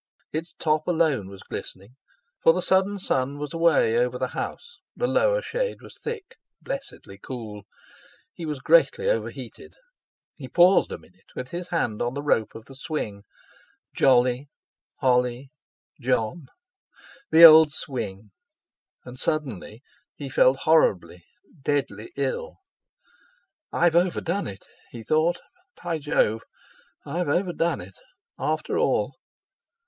Its top alone was glistening, for the sudden sun was away over the house; the lower shade was thick, blessedly cool—he was greatly overheated. He paused a minute with his hand on the rope of the swing—Jolly, Holly—Jon! The old swing! And suddenly, he felt horribly—deadly ill. 'I've over done it!' he thought: 'by Jove! I've overdone it—after all!'